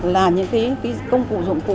là những công cụ dụng cụ